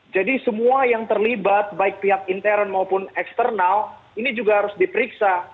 semua yang terlibat baik pihak intern maupun eksternal ini juga harus diperiksa